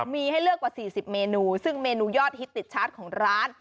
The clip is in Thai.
มีให้เลือกกว่า๔๐เมนูซึ่งเมนูยอดฮิตติดชาร์จของร้าน